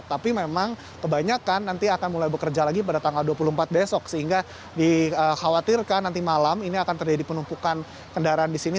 tapi memang kebanyakan nanti akan mulai bekerja lagi pada tanggal dua puluh empat besok sehingga dikhawatirkan nanti malam ini akan terjadi penumpukan kendaraan di sini